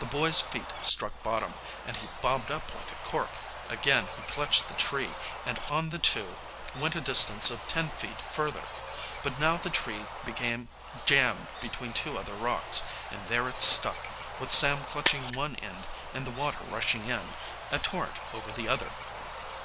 The boy's feet struck bottom, and he bobbed up like a cork. Again he clutched the tree, and on the two went a distance of ten feet further. But now the tree became jammed between two other rocks, and there it stuck, with Sam clutching one end and the water rushing in, a torrent over the other.